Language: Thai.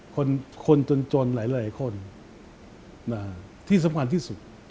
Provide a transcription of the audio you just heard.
คนจนหลายคนที่สำคัญที่สุด